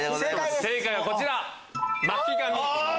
正解はこちら。